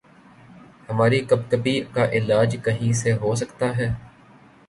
ہماری کپکپی کا علاج کہیں سے ہو سکتا ہے؟